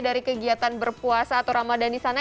dari kegiatan berpuasa atau ramadan di sana